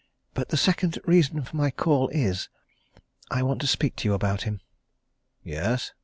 But the second reason for my call is I want to speak to you about him." "Yes?"